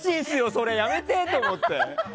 それ、やめて！と思って。